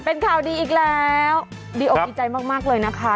เป็นข่าวดีอีกแล้วดีโอกิจัยมากมากเลยนะคะ